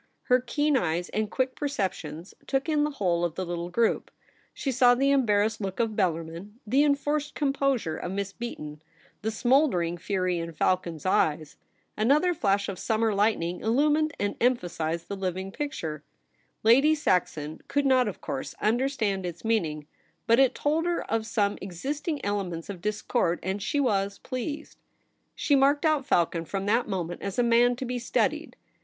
Her keen eyes and quick perceptions took in the whole of the little group. She saw the em barrassed look of Bellarmin ; the enforced composure of Miss Beaton ; the smouldering fury in Falcon's eyes. Another flash of summer lightning illumined and emphasized the living picture. Lady Saxon could not, of course, understand its meaning; but it told her of some existing elements of discord, and she was pleased. She marked out Falcon from that moment as a man to be studied.